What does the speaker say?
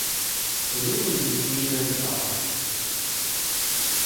У лютым будзе кніжная выстава.